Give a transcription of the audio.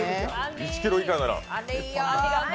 １ｋｇ以下なら。